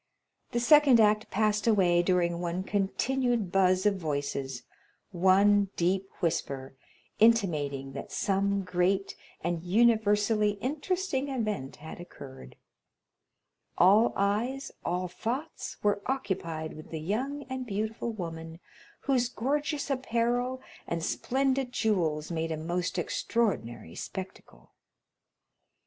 The second act passed away during one continued buzz of voices—one deep whisper—intimating that some great and universally interesting event had occurred; all eyes, all thoughts, were occupied with the young and beautiful woman, whose gorgeous apparel and splendid jewels made a most extraordinary spectacle.